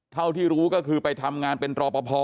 เท่าที่รู้ก็คือไปทำงานเป็นรอปภ